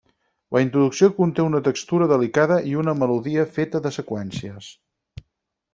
La introducció conté una textura delicada i una melodia feta de seqüències.